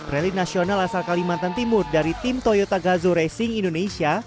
rally nasional asal kalimantan timur dari tim toyota gazo racing indonesia